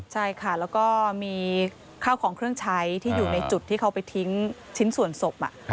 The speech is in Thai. ใช่ค่ะแล้วก็มีข้าวของเครื่องใช้ที่อยู่ในจุดที่เขาไปทิ้งชิ้นส่วนศพ